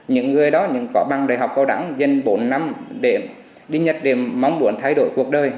những người đó có bằng đại học cao đẳng dành bốn năm để đi nhất điểm mong muốn thay đổi cuộc đời